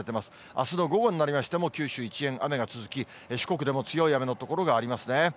あすの午後になりましても、九州一円、雨が続き、四国でも強い雨の所がありますね。